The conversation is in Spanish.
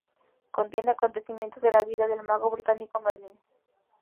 Contiene acontecimientos de la vida del mago británico Merlín.